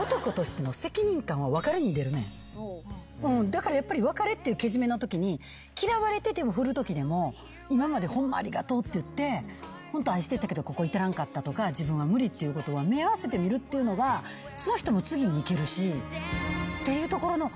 だからやっぱり別れっていうけじめのときに嫌われてても振るときでも今までホンマありがとうって言ってホント愛してたけどここ至らんかったとか自分は無理っていうことは見合わせてみるっていうのがその人も次に生きるしっていうところの。